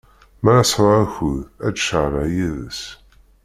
Mi ara sɛuɣ akud, ad d-ceɣleɣ yid-s.